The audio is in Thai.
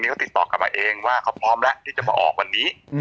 ละเนี่ยเขาติดต่อกันมาเองว่าเขาพร้อมแหละที่จะมาออกวันนี้